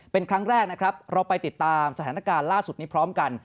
เป็นครั้งแรกนะครับเราไปติดตามสถานการณ์ล่าสุดนี้พร้อมกัน